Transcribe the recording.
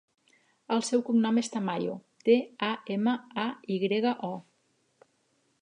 El seu cognom és Tamayo: te, a, ema, a, i grega, o.